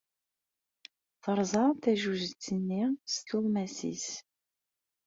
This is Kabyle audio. Terẓa tajujet-nni s tuɣmas-nnes.